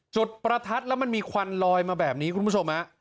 ประทัดแล้วมันมีควันลอยมาแบบนี้คุณผู้ชมฮะ